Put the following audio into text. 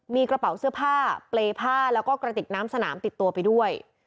มีกระเป๋าเสื้อผ้าเปรย์ผ้าแล้วก็กระติกน้ำสนามติดตัวไปด้วย